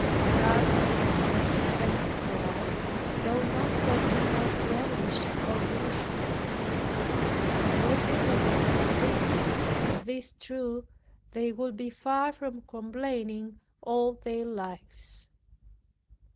God gives what is best for us, though not what we most relish or wish for. Were people but convinced of this truth, they would be far from complaining all their lives.